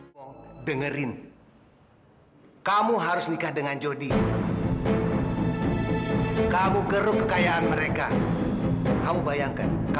sampai jumpa di video selanjutnya